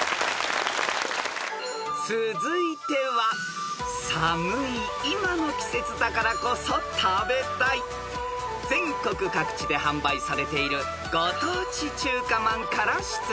［続いては寒い今の季節だからこそ食べたい全国各地で販売されているご当地中華まんから出題］